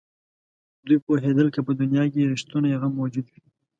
دوی پوهېدل که په دنیا کې رښتونی غم موجود وي.